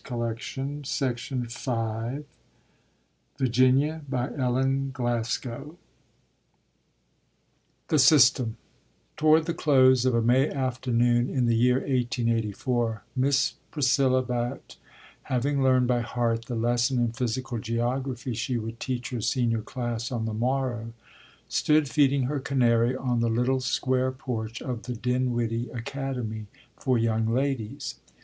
Bitterness VI. The Future BOOK FIRST THE DREAM CHAPTER I THE SYSTEM Toward the close of a May afternoon in the year 1884, Miss Priscilla Batte, having learned by heart the lesson in physical geography she would teach her senior class on the morrow, stood feeding her canary on the little square porch of the Dinwiddie Academy for Young Ladies.